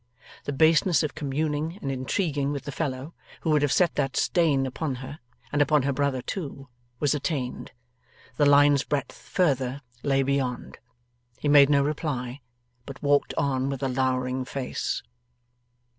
The baseness of communing and intriguing with the fellow who would have set that stain upon her, and upon her brother too, was attained. The line's breadth further, lay beyond. He made no reply, but walked on with a lowering face.